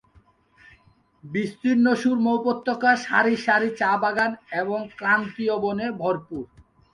বিস্তীর্ণ সুরমা উপত্যকা সারি সারি চা বাগান এবং ক্রান্তীয় বনে ভরপুর।